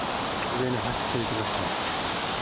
上に走っていきました。